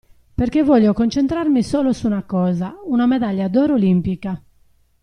Perché voglio concentrarmi solo su una cosa, una medaglia d'oro olimpica.